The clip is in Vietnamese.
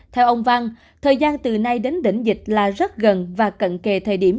theo ông văn thời gian từ nay đến đỉnh dịch là rất gần và cận kề thời điểm